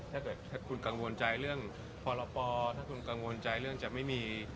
ถ้าเกิดคุณกังวลใจเรื่องพรปถ้าคุณกังวลใจเรื่องจะไม่มี